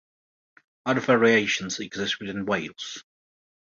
Other variations exist within Wales.